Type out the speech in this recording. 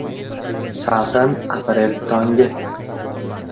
Salqin aprel tongi